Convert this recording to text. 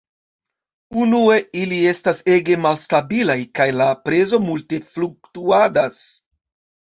Unue, ili estas ege malstabilaj, kaj la prezo multe fluktuadas.